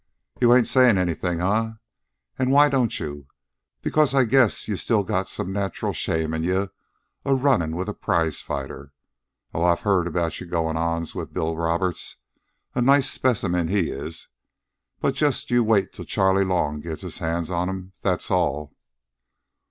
"You ain't sayin' anything, eh? An' why don't you? Because I guess you still got some natural shame in you a runnin' with a prizefighter. Oh, I've heard about your goings on with Bill Roberts. A nice specimen he is. But just you wait till Charley Long gets his hands on him, that's all."